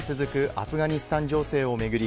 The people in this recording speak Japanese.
アフガニスタン情勢を巡り